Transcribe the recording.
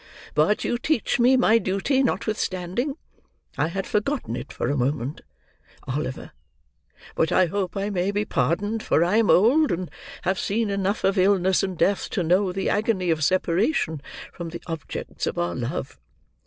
But you teach me my duty, notwithstanding. I had forgotten it for a moment, Oliver, but I hope I may be pardoned, for I am old, and have seen enough of illness and death to know the agony of separation from the objects of our love.